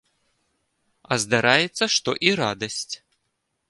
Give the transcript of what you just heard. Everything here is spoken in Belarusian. А здараецца, што і радасць.